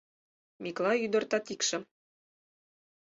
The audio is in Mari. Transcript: Миклай ӱдыр Татикшым